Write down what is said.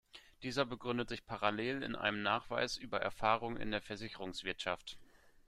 Dieser begründet sich parallel in einem Nachweis über Erfahrung in der Versicherungswirtschaft.